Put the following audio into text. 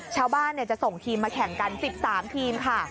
ชาวบ้านจะส่งทีมมาแข่งกัน๑๓ทีมค่ะ